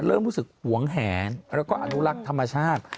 เริ่มรู้สึกหวงแหนแล้วก็อนุรักษ์ธรรมชาติ